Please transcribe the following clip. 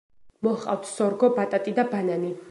მოჰყავთ სორგო, ბატატი და ბანანი.